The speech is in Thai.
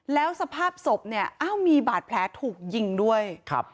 แล้วสภาพศพเนี่ยอ้าวมีบาดแผลถูกยิงด้วยครับ